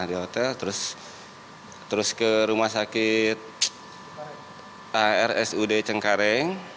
di hotel terus ke rumah sakit arsude cengkareng